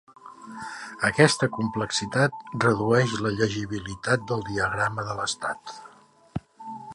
Aquesta complexitat redueix la llegibilitat del diagrama de l'estat.